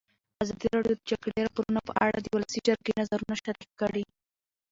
ازادي راډیو د د جګړې راپورونه په اړه د ولسي جرګې نظرونه شریک کړي.